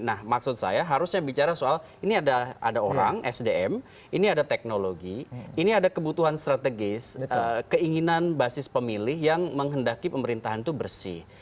nah maksud saya harusnya bicara soal ini ada orang sdm ini ada teknologi ini ada kebutuhan strategis keinginan basis pemilih yang menghendaki pemerintahan itu bersih